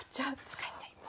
使っちゃいます。